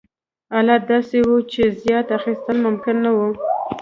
حالت داسې و چې زیات اخیستل ممکن نه وو.